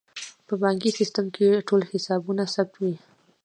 په بانکي سیستم کې ټول حسابونه ثبت وي.